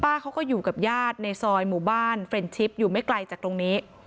เขาก็อยู่กับญาติในซอยหมู่บ้านเฟรนชิปอยู่ไม่ไกลจากตรงนี้